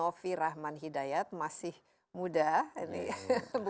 rasmi rahman hidayat muter